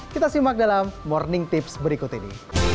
kita simak dalam morning tips berikut ini